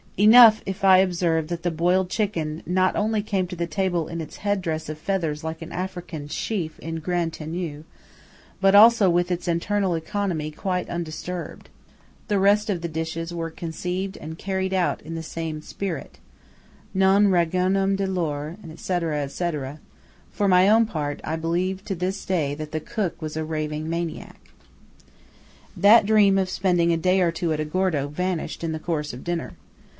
Enough if I observe that the boiled chicken not only came to table in its headdress of feathers like an African chief en grande tenue, but also with its internal economy quite undisturbed. The rest of the dishes were conceived and carried out in the same spirit:– "Non ragionam di lor," &c., &c. For my own part, I believe to this day that the cook was a raving maniac. That dream of spending a day or two at Agordo vanished in the course of dinner.